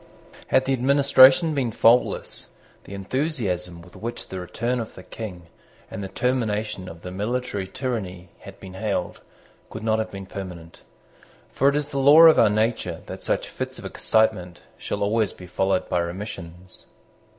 Had the administration been faultless, the enthusiasm with which the return of the King and the termination of the military tyranny had been hailed could not have been permanent. For it is the law of our nature that such fits of excitement shall always be followed by remissions.